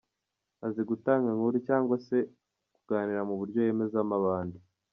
Azi gutanga inkuru cyangwa se kuganira mu buryo yemezamo abandi.